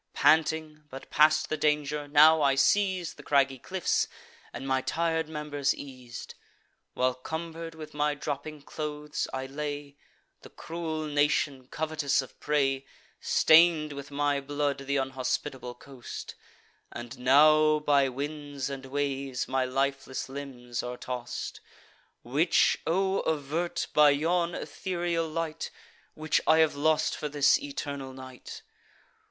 Panting, but past the danger, now I seiz'd The craggy cliffs, and my tir'd members eas'd. While, cumber'd with my dropping clothes, I lay, The cruel nation, covetous of prey, Stain'd with my blood th' unhospitable coast; And now, by winds and waves, my lifeless limbs are toss'd: Which O avert, by yon ethereal light, Which I have lost for this eternal night!